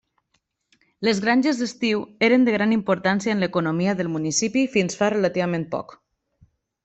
Les granges d'estiu eren de gran importància en l'economia del municipi fins fa relativament poc.